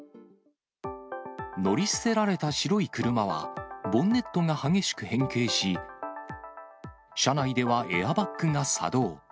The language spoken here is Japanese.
乗り捨てられた白い車は、ボンネットが激しく変形し、車内ではエアバッグが作動。